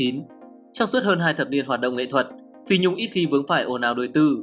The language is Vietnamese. trong suốt hơn hai thập niên hoạt động nghệ thuật phi nhung ít khi vướng phải ồn ào đổi tư